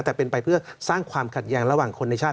แต่เป็นไปเพื่อสร้างความขัดแย้งระหว่างคนในชาติ